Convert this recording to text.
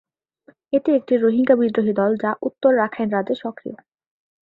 এটি একটি রোহিঙ্গা বিদ্রোহী দল যা উত্তর রাখাইন রাজ্যে সক্রিয়।